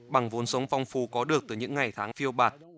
bằng vốn sống phong phu có được từ những ngày tháng phiêu bạt